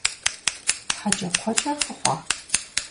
ХьэкӀэкхъуэкӀэ фыхъуа?!